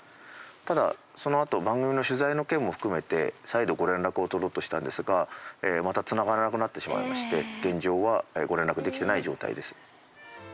ただそのあと番組の取材の件も含めて再度ご連絡を取ろうとしたんですがまたつながらなくなってしまいまして現状はご連絡できてない状態です。